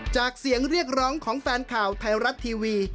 เสียงเรียกร้องของแฟนข่าวไทยรัฐทีวี